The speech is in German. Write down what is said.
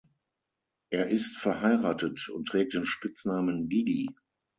Er ist verheiratet und trägt den Spitznamen „Gigi“.